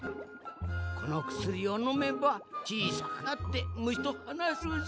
このくすりをのめばちいさくなってむしとはなせるぞ。